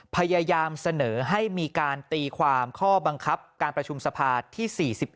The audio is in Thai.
พยายามเสนอให้มีการตีความข้อบังคับการประชุมสภาที่๔๑